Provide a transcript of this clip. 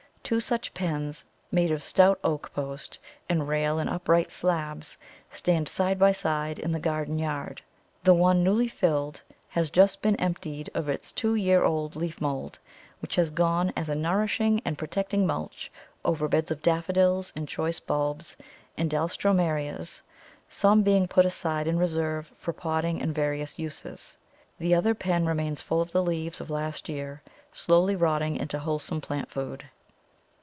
Two such pens, made of stout oak post and rail and upright slabs, stand side by side in the garden yard. The one newly filled has just been emptied of its two year old leaf mould, which has gone as a nourishing and protecting mulch over beds of Daffodils and choice bulbs and Alströmerias, some being put aside in reserve for potting and various uses. The other pen remains full of the leaves of last year, slowly rotting into wholesome plant food.